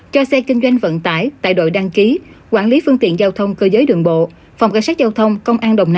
cho xe kinh doanh vận tải tại đội đăng ký quản lý phương tiện giao thông cơ giới đường bộ